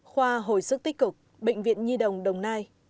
khoa hồi sức tích cực bệnh viện nhi đồng đồng nai